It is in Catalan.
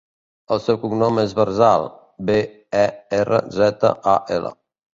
El seu cognom és Berzal: be, e, erra, zeta, a, ela.